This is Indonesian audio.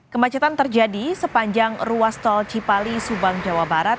kemacetan terjadi sepanjang ruas tol cipali subang jawa barat